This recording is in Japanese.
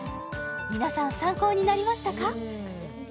皆さん参考になりましたか？